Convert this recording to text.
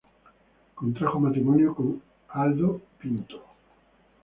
Contrajo matrimonio con Aldo Pinto.